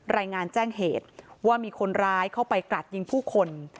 รายงานแจ้งเหตุว่ามีคนร้ายเข้าไปกราดยิงผู้คน